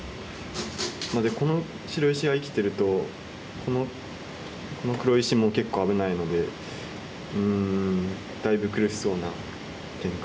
この白石が生きてるとこの黒石も結構危ないのでうんだいぶ苦しそうな展開です。